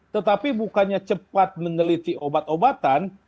tetapi bukannya cepat meneliti obat obatan